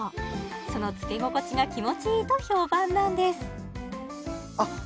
そのつけ心地が気持ちいいと評判なんですあっ